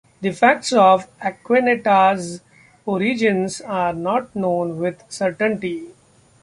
The facts of Acquanetta's origins are not known with certainty.